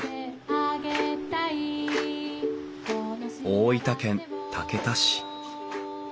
大分県竹田市。